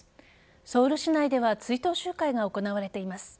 ソウル市内では追悼集会が行われています。